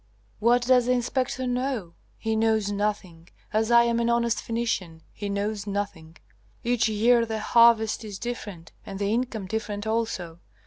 What does the inspector know? He knows nothing; as I am an honest Phœnician, he knows nothing. Each year the harvest is different, and the income different also.